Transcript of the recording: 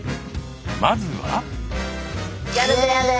まずは。